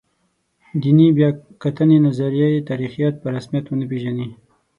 دیني بیا کتنې نظریه تاریخیت په رسمیت ونه پېژني.